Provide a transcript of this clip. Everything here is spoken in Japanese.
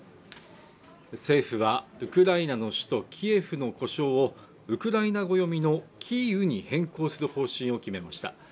政府はウクライナの首都キエフの呼称をウクライナ語読みのキーウに変更する方針を決めました